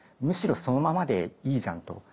むしろそのままでいいじゃんと。